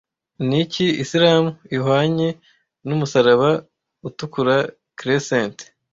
Niki Islamu ihwanye numusaraba utukura Crescent